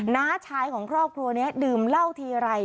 น้าชายของครอบครัวนี้ดื่มเหล้าทีไร